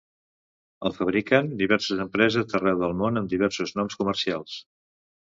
El fabriquen diverses empreses d'arreu del món amb diversos noms comercials.